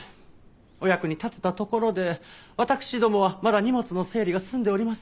お役に立てたところでわたくしどもはまだ荷物の整理が済んでおりません。